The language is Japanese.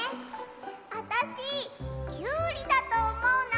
あたしキュウリだとおもうな！